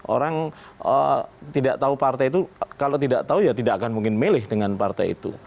orang tidak tahu partai itu kalau tidak tahu ya tidak akan mungkin milih dengan partai itu